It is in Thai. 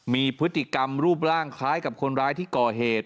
มีพฤติกรรมรูปร่างคล้ายกับคนร้ายที่ก่อเหตุ